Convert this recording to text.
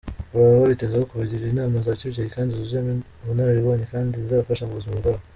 Baba babitezeho kubagira inama za kibyeyi kandi zuzuyemo ubanararibonye kandi zizabafasha mu buzima bwabo.